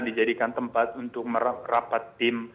dijadikan tempat untuk merapat tim